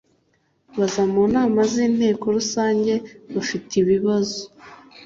baza mu nama z inteko rusange bafite ibibazo